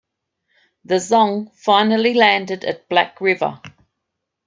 The "Zong" finally landed at Black River.